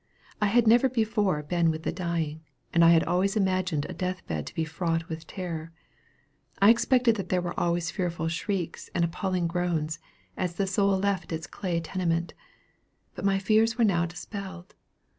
I had never before been with the dying, and I had always imagined a death bed to be fraught with terror. I expected that there were always fearful shrieks and appalling groans, as the soul left its clay tenement; but my fears were now dispelled.